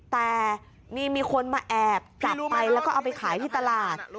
แต่นี่มีคนมาแอบจับไปแล้วก็เอาไปขายที่ตลาด